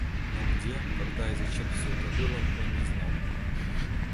Но где, когда и зачем это все было, он не знал.